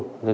thế nên là